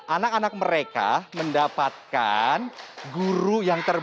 anak anak mereka mendapatkan guru yang terbaik